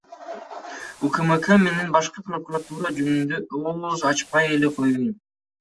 УКМК менен башкы прокуратура жөнүндө ооз ачпай эле коёюн.